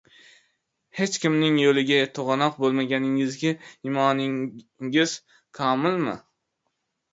• Hech kimning yo‘liga to‘g‘anoq bo‘lmaganingizga imoningiz komilmi?